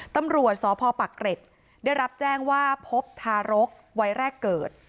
ตำรวจสพปักเกร็ดได้รับแจ้งว่าพบทารกวัยแรกเกิด